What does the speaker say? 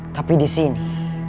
tapi di sini